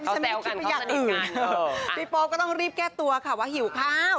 เขาแซวกันเขาสนิทกันเออพี่โป๊ปก็ต้องรีบแก้ตัวค่ะว่าหิวข้าว